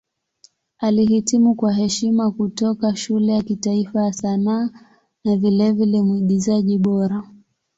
Alihitimu kwa heshima kutoka Shule ya Kitaifa ya Sanaa na vilevile Mwigizaji Bora.